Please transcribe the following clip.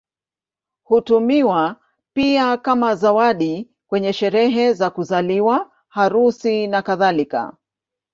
Hutumiwa pia kama zawadi kwenye sherehe za kuzaliwa, harusi, nakadhalika.